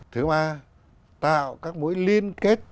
thứ ba tạo các mối liên kết